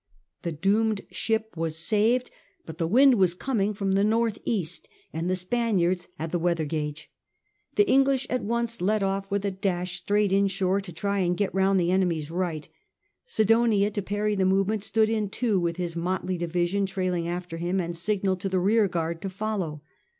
The doomed ship was saved ; but the wind was coming from the north east and the Spaniards had the weather gage. The English at once led off with a dash straight inshore to try and get round the enemy's right. Sidonia, to parry the movement, stood in too with his motley division trailing after him, and signalled to the rearguard to follow.